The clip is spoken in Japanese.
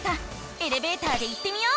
エレベーターで行ってみよう！